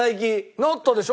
なったでしょ？